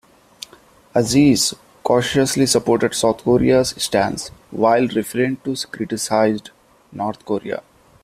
Aziz cautiously supported South Korea's stance while refrained to criticised North Korea.